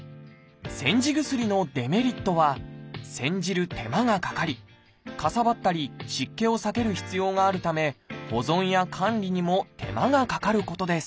煎じ薬のデメリットは煎じる手間がかかりかさばったり湿気を避ける必要があるため保存や管理にも手間がかかることです